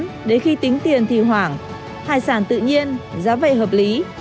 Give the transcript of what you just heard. kêu cho lắm đến khi tính tiền thì hoảng hải sản tự nhiên giá vậy hợp lý